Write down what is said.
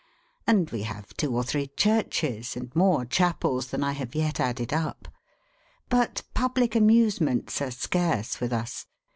—and we have two or three churches, and more chapels than I have yet added up. But public amusements are scarce with us.